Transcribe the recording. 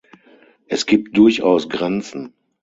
Es gibt durchaus Grenzen.